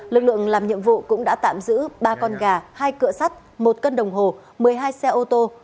lực lượng làm nhiệm vụ cũng đã tạm giữ ba con gà hai cửa sắt một cân đồng hồ một mươi hai xe ô tô